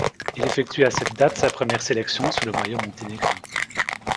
Il effectue à cette date sa première sélection sous le maillot monténégrin.